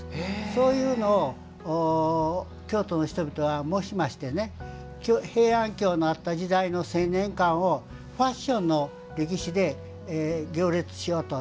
そういうのを京都の人たちは模しまして平安京のあった時代の青年館を、ファッションの歴史で行列しようと。